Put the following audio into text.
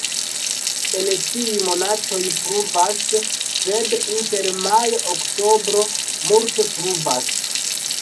En ĉiuj monatoj pluvas, sed inter majo-oktobro multe pluvas.